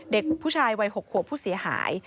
เด็กผู้ชายวัย๖ขวบผู้เสียหาย